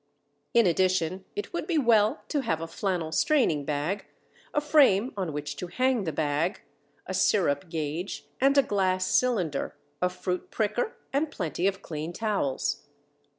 In addition, it would be well to have a flannel straining bag, a frame on which to hang the bag, a sirup gauge and a glass cylinder, a fruit pricker, and plenty of clean towels.